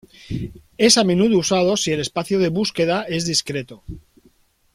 Es a menudo usado si el espacio de búsqueda es discreto.